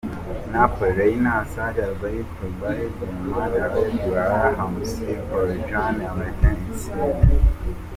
Napoli: Reina; Hysaj, Albiol, Koulibaly, Ghoulam; Allan, Diawara, Hamšík; Callejon, Mertens, Insigne.